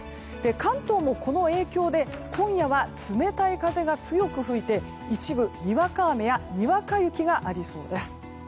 関東も、この影響で今夜は冷たい風が強く吹いて、一部にわか雨やにわか雪がありそうです。